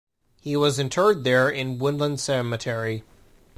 He was interred there in Woodland Cemetery.